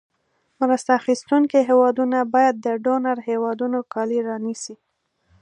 مرسته اخیستونکې هېوادونو باید د ډونر هېوادونو کالي رانیسي.